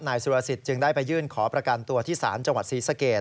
สุรสิทธิจึงได้ไปยื่นขอประกันตัวที่ศาลจังหวัดศรีสเกต